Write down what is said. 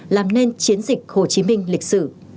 làm nên chiến dịch hồ chí minh lịch sử